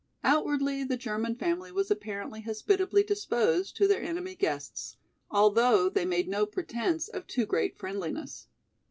Outwardly the German family was apparently hospitably disposed to their enemy guests, although they made no pretence of too great friendliness.